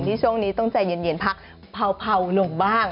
ช่วงนี้ต้องใจเย็นพักเผาลงบ้าง